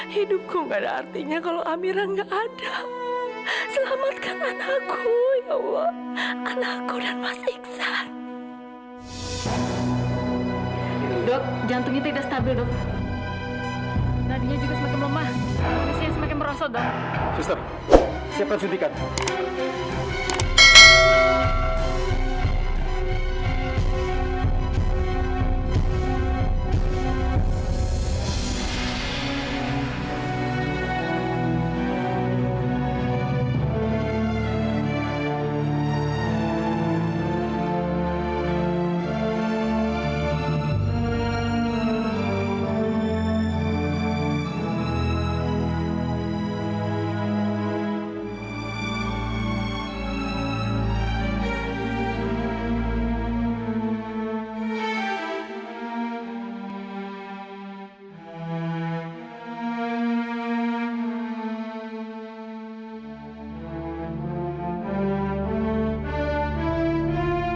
hidupku nggak ada artinya kalau amira nggak ada selamatkan anakku ya allah anakku dan mas iksan